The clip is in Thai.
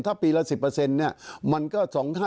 ถ้าปีละ๑๐เปอร์เซ็นต์เนี่ยมันก็๒๕๗๐